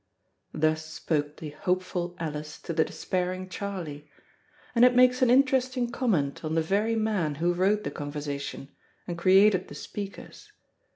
Thus spoke the hopeful Alice to the despairing Charley; and it makes an interesting comment on the very man who wrote the conversation, and created the speakers.